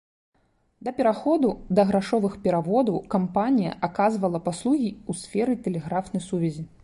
Да пераходу да грашовых пераводаў кампанія аказвала паслугі ў сферы тэлеграфнай сувязі.